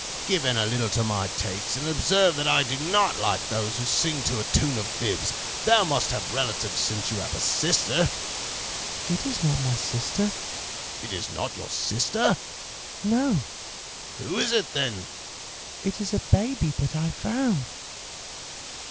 "Give in a little to my tastes, and observe that I do not like those who sing to a tune of fibs. Thou must have relatives since you have a sister." "It is not my sister." "It is not your sister?" "No." "Who is it then?" "It is a baby that I found."